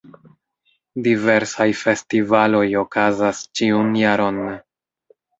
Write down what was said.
Diversaj festivaloj okazas ĉiun jaron.